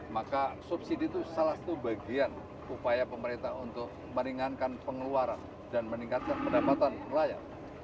maka subsidi itu salah satu bagian upaya pemerintah untuk meringankan pengeluaran dan meningkatkan pendapatan nelayan